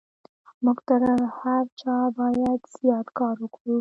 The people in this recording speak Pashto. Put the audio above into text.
موږ تر هر چا بايد زيات کار وکړو.